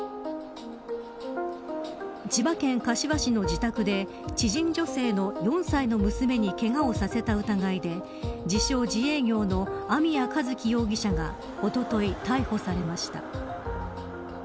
千葉県柏市の自宅で知人女性の４歳の娘にけがをさせた疑いで自称、自営業の網谷一希容疑者がおととい逮捕されました。